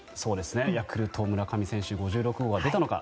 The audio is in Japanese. ヤクルト、村上選手５６号は出たのか。